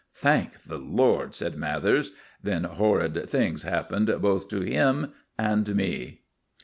"Thank the Lord!" said Mathers. Then horrid things happened both to him and me.